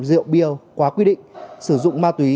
rượu bia quá quy định sử dụng ma túy